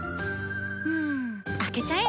うん開けちゃえ。